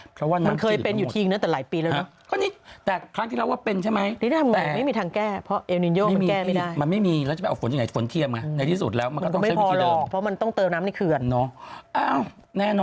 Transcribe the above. เพราะว่าน้ำเกลือทั้งหมดมันเคยเป็นอยู่ที่เองเนี่ยแต่หลายปีแล้วเนอะ